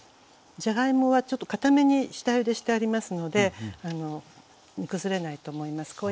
じゃがいもはちょっとかために下ゆでしてありますので煮崩れないと思います。